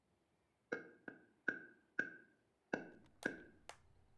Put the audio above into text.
wa mashauriano Lazima sasa tuubiri uauzi wa